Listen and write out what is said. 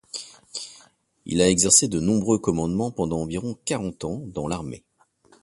Il a exercé de nombreux commandements pendant environ quarante ans dans l'armée.